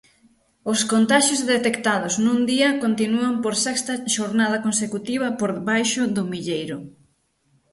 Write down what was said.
Os contaxios detectados nun día continúan por sexta xornada consecutiva por baixo do milleiro.